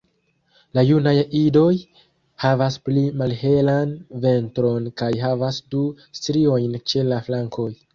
La junaj idoj havas pli malhelan ventron kaj havas du striojn ĉe la flankoj.